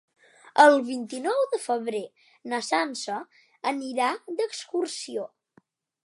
El vint-i-nou de febrer na Sança anirà d'excursió.